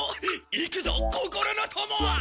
行くぞ心の友！